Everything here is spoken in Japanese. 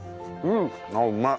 うまい。